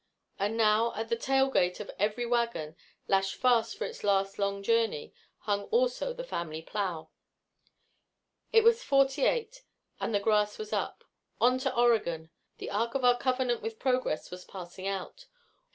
And now, at the tail gate of every wagon, lashed fast for its last long journey, hung also the family plow. It was '48, and the grass was up. On to Oregon! The ark of our covenant with progress was passing out.